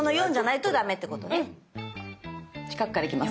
近くからいきます。